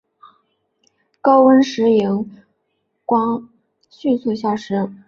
高温时荧光迅速消失。